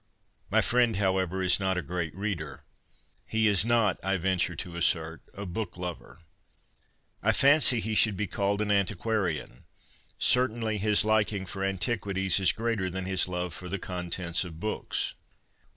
My friend, however, is not a great reader. He is not, I venture to assert, a book lover. I fancy he should be called an antiquarian. Certainly his liking for antiquities is greater than his love for the contents of books.